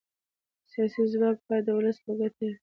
سیاسي ځواک باید د ولس په ګټه وي